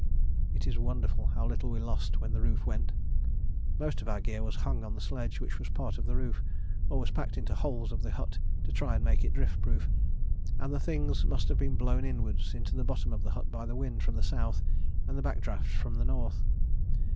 It is wonderful how little we lost when the roof went. Most of our gear was hung on the sledge, which was part of the roof, or was packed into the holes of the hut to try and make it drift proof, and the things must have been blown inwards into the bottom of the hut by the wind from the south and the back draught from the north.